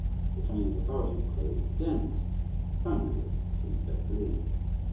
The Chinese authorities closed the dens permanently, it seems fair to believe.